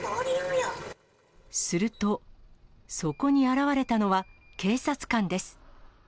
すると、そこに現れたのは、警察官です。